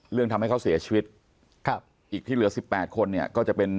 เรื่องทำให้เขาเสียชีวิตอีกที่เหลือ๑๘คนก็จะเป็น